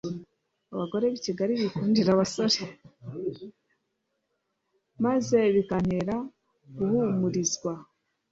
maze bikantera guhumurizwa